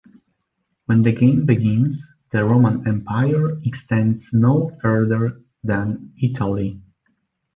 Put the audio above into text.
When the game begins the Roman empire extends no further than Italy.